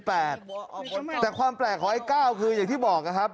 แต่ความแปลกของไอ้๙คืออย่างที่บอกนะครับ